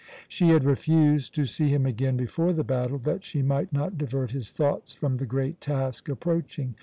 She had refused to see him again before the battle, that she might not divert his thoughts from the great task approaching.